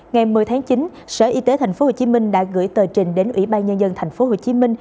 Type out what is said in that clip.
ngày một mươi tháng chín sở y tế tp hcm đã gửi tờ trình đến ybnd tp hcm